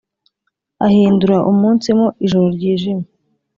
ahindura umunsi mo ijoro ryijimye,